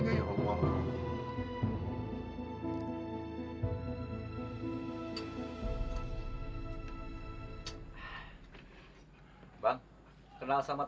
saya gambar saja